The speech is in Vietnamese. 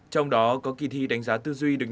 trong đó có kỳ thi đánh giá tư duy được nhà trường